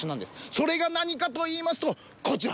それが何かといいますとこちら。